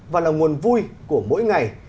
và là nguồn vui của mỗi ngày